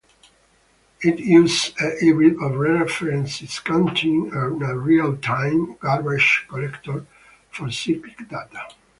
It uses a hybrid of reference counting and a real-time garbage-collector for cyclic data.